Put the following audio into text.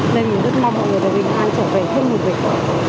nên mình rất mong mọi người đều bình an trở về thêm một việc